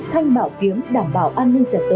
thanh bảo kiếm đảm bảo an ninh trật tự